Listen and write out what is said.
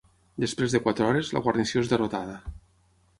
Després de quatre hores, la guarnició és derrotada.